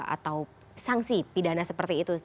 atau sanksi pidana seperti itu